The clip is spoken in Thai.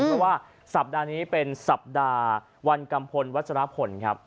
เพราะว่าสัปดาห์นี้เป็นสัปดาห์วันกัมพลวัชรพลครับ